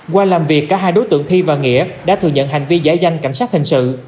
qua làm việc cả hai đối tượng thi và nghĩa đã thừa nhận hành vi giải danh cảnh sát hình sự